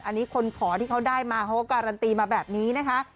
อันนี้คนขอที่เขาได้มาเขาก็การันตีมาแบบนี้นะคะ